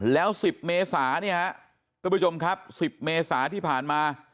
แล้ว๑๐เมษาเนี่ยฮะทุกผู้ชมครับ๑๐เมษาที่ผ่านมา